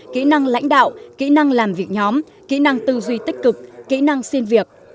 kỹ năng lãnh đạo kỹ năng làm việc nhóm kỹ năng tư duy tích cực kỹ năng xin việc